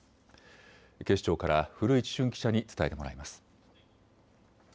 警視庁から古市駿記者に伝えてもらいます。